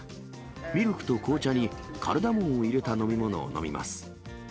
ミルクと紅茶にカルダモンを入れた飲み物を飲みます。